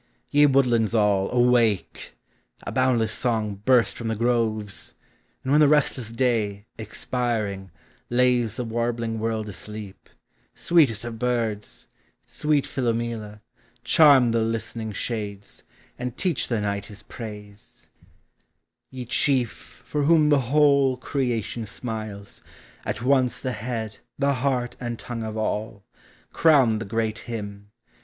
Ye woodlands all, awake: a boundless song Burst from {he groves ! and when the restless day, Expiring, lays the warbling world asleep, Sweetest of birds! sweet Philomela, charm The listening shades, and teach the night his praise. THE SEASONS. 73 Ye chief, for whom the whole creation smiles, At once the head, the heart, and tongue of all, Crown the great hymn!